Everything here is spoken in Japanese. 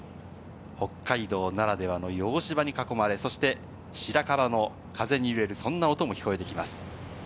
北海道ならではの洋芝に囲まれ、白樺の風に揺れる、そんな音も聞こえてきます。